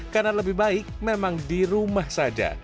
karena lebih baik memang di rumah saja